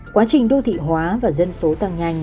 quá trình đô thị hóa và dân số tăng nhanh